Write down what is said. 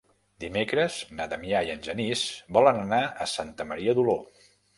Dimecres na Damià i en Genís volen anar a Santa Maria d'Oló.